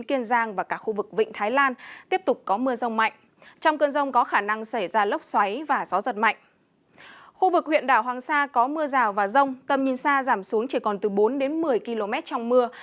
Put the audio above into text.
khu vực huyện đảo hoàng sa có mưa rào và rông tầm nhìn xa giảm xuống chỉ còn từ bốn đến một mươi km trong mưa